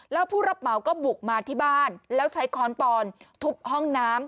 แล้วผู้รับเหมาก็บุกมาที่บ้านแล้วใช้ค้อนปอนทุบห้องน้ำ